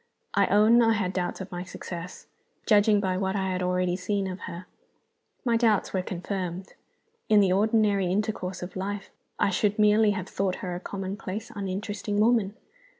I own I had doubts of my success judging by what I had already seen of her. My doubts were confirmed. In the ordinary intercourse of life I should merely have thought her a commonplace, uninteresting woman.